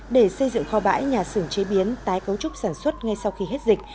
để xây dựng kho bãi nhà xưởng chế biến tái cấu trúc sản xuất ngay sau khi hết dịch